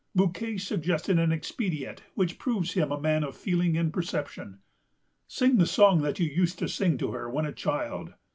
Bouquet suggested an expedient which proves him a man of feeling and perception. "Sing the song that you used to sing to her when a child."